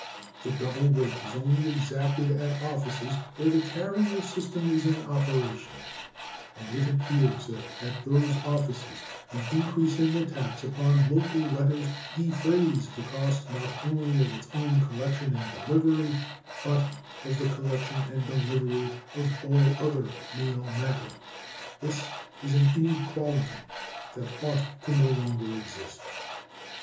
The double rate is only exacted at offices where the carrier system is in operation, and it appears that at those offices the increase in the tax upon local letters defrays the cost not only of its own collection and delivery, but of the collection and delivery of all other mail matter. This is an inequality that ought no longer to exist.